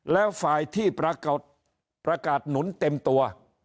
แล้วฝ่ายที่ปรากฏประกาศหนุนเต็มตัว